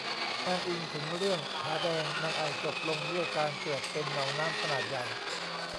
อ้างอิงถึงเรื่องผาแดงนางไอ่จบลงด้วยการเกิดเป็นหนองน้ำขนาดใหญ่